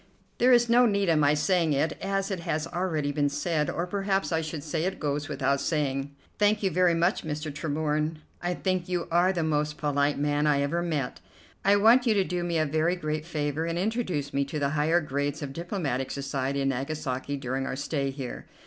"There is no need of my saying it, as it has already been said; or perhaps I should say 'it goes without saying.'" "Thank you very much, Mr. Tremorne; I think you are the most polite man I ever met. I want you to do me a very great favor and introduce me to the higher grades of diplomatic society in Nagasaki during our stay here."